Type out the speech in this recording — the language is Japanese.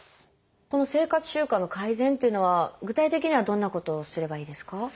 この生活習慣の改善というのは具体的にはどんなことをすればいいですか？